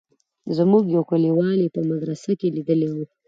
زموږ يو کليوال يې په مدرسه کښې ليدلى و.